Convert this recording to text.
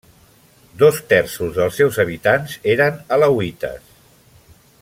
Dos terços dels seus habitants eren alauites.